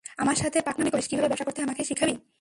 আমার সাথে পাকনামি করিস, কিভাবে ব্যবসা করতে হয় আমাকে শিখাবি?